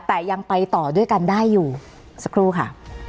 แต่ยังไปต่อด้วยกันได้อยู่สักครู่ค่ะ